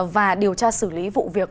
và điều tra xử lý vụ việc